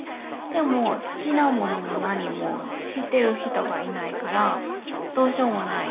でも好きな者も何も知ってる人がいないからどうしようもない。